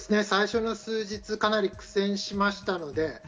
最初の数日、かなり苦戦しました。